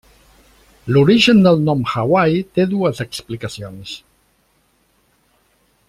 L'origen del nom Hawaii té dues explicacions.